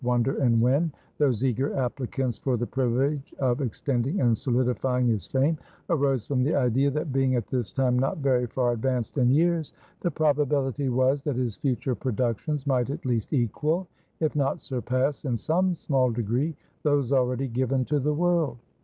Wonder and Wen, those eager applicants for the privilege of extending and solidifying his fame, arose from the idea that being at this time not very far advanced in years, the probability was, that his future productions might at least equal, if not surpass, in some small degree, those already given to the world.